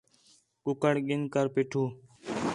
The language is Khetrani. کُکڑ گِھن کر پیٹھو